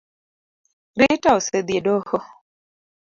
Rita osedhi e doho